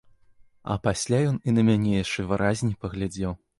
А пасля ён і на мяне яшчэ выразней паглядзеў.